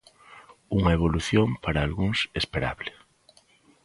Unha evolución para algúns esperable.